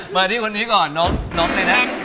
มาที่คนนี้อ่ะ